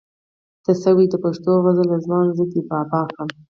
ته شوې د پښتو غزله ځوان زه دې بابا کړم